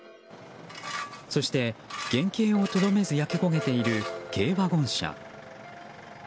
そして原形をとどめず焼け焦げている軽ワゴン車。